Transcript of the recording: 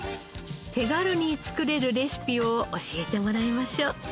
手軽に作れるレシピを教えてもらいましょう。